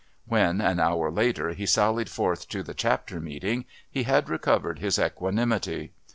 When an hour later he sallied forth to the Chapter Meeting he had recovered his equanimity.